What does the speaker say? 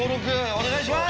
お願いします。